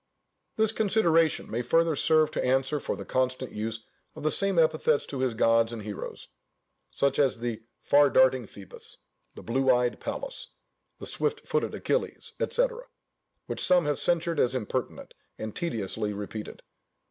This consideration may further serve to answer for the constant use of the same epithets to his gods and heroes; such as the "far darting Phœbus," the "blue eyed Pallas," the "swift footed Achilles," &c., which some have censured as impertinent, and tediously repeated.